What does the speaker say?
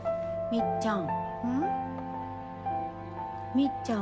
みっちゃん。